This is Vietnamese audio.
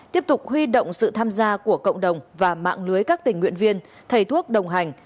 tiếp tục huy động sự tham gia của cộng đồng và mạng lưới các tình nguyện viên thầy thuốc đồng hành